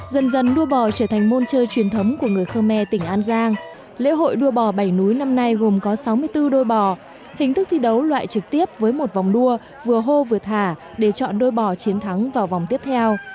dần dần nuôi bò trở thành môn chơi truyền thống của người khơ me tỉnh an giang lễ hội đua bò bảy núi năm nay gồm có sáu mươi bốn đôi bò hình thức thi đấu loại trực tiếp với một vòng đua vừa hô vừa thả để chọn đôi bò chiến thắng vào vòng tiếp theo